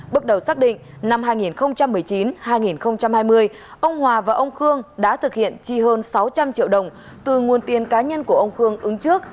bước đầu xác định năm hai nghìn một mươi chín hai nghìn hai mươi ông hòa và ông khương đã thực hiện chi hơn sáu trăm linh triệu đồng từ nguồn tiền cá nhân của ông khương ứng trước